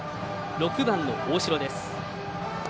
６番の大城です。